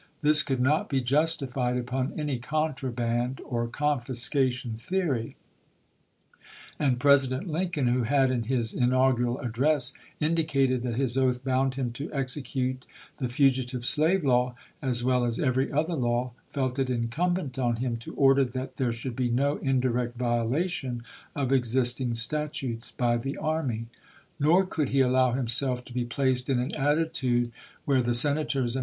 This could not be justified upon any "contraband" or confiscation theory ; and President Lincoln, who had in his in augural address indicated that his oath bound him to execute the fugitive slave law, as well as every other law, felt it incumbent on him to order that there should be no indirect violation of existing statutes by the army. Nor could he allow himself THE CONTKABAND 391 to be placed in an attitude where the Senators and ch.